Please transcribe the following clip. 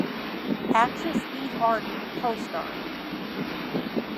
Actress Eve Arden co-starred.